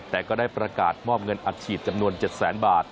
แต่ก็ได้ประกาศมอบเงินอัดฉีดจำนวน๗แสนบาท